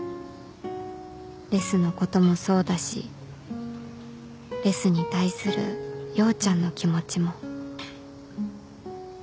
レスのこともそうだしレスに対する陽ちゃんの気持ちも